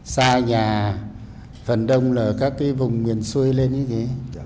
xa nhà phần đông là các cái vùng miền xuôi lên như thế